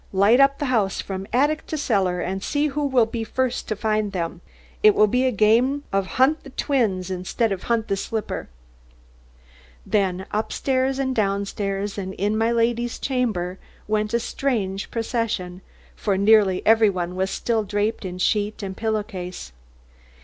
Light up the house from attic to cellar, and see who will be first to find them. It will be a game of hunt the twins, instead of hunt the slipper." Then up stairs, and down stairs, and in my lady's chamber, went a strange procession, for nearly every one was still draped in sheet and pillow case.